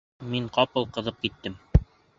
Мин ҡапыл ҡыҙып киттем.